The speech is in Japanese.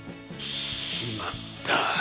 決まった！